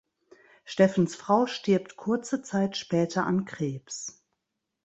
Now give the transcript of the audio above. Steffens Frau stirbt kurze Zeit später an Krebs.